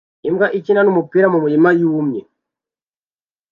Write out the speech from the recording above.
Imbwa ikina numupira mumirima yumye